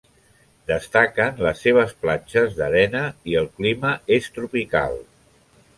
Destaquen les seves platges d'arena, i el clima és tropical.